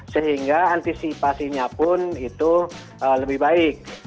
sehingga antisipasinya pun itu lebih baik